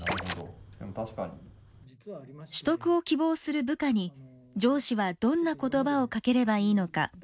取得を希望する部下に上司はどんな言葉をかければいいのか。